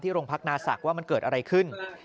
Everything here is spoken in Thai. โรงพักนาศักดิ์ว่ามันเกิดอะไรขึ้น